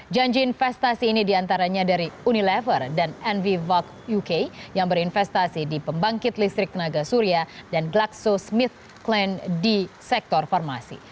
janji investasi ini diantaranya dari unilever dan envivog uk yang berinvestasi di pembangkit listrik tenaga surya dan glaxosmithkline d sektor farmasi